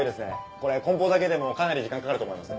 これ梱包だけでもかなり時間かかると思います。